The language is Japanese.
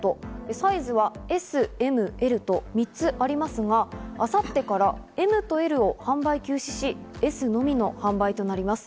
サイズはＳ・Ｍ・Ｌと３つありますが、明後日からＭとＬは販売休止し、Ｓのみの販売となります。